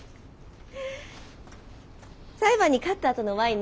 裁判に勝ったあとのワインね